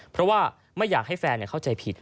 เพราะว่าไม่อยากให้แฟนเข้าใจผิด